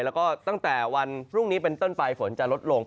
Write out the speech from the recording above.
แล้วก็ตั้งแต่วันพรุ่งนี้เป็นต้นไปฝนจะลดลง